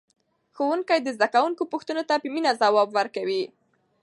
ښوونکی د زده کوونکو پوښتنو ته په مینه ځواب ورکوي